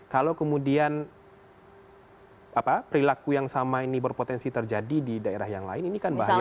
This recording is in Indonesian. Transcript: kalau kemudian perilaku yang sama ini berpotensi terjadi di daerah yang lain ini kan bahaya